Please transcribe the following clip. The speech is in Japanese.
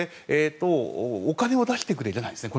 お金を出してくれじゃないんですね